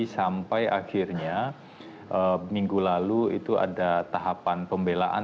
sampai akhirnya minggu lalu itu ada tahapan pembelaan